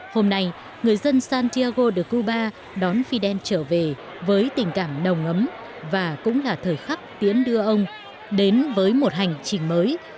hôm nay người dân santiago de cuba đón fidel trở về với tình cảm nồng ấm và cũng là thời khắc tiến đưa ông đến với một hành trình mới